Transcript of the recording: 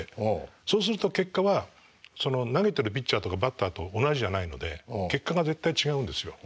そうすると結果は投げてるピッチャーとかバッターと同じじゃないので結果が絶対違うんですよ。